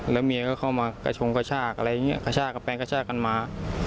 แล้วเมียก็เข้ามากระชงกระชากอะไรอย่างนี้กระชากกันไปกระชากกันมา